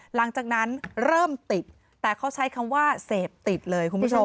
หลังจากนั้นเริ่มติดแต่เขาใช้คำว่าเสพติดเลยคุณผู้ชม